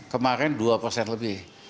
kemarin dua persen lebih